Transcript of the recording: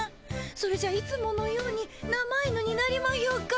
それじゃいつものように生犬になりまひょか。